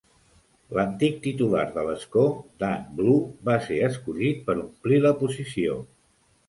L"antic titular de l"escó, Dan Blue, va ser escollit per omplir la posició.